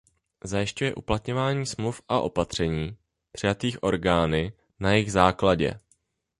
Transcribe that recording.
Zajišťuje uplatňování Smluv a opatření přijatých orgány na jejich základě.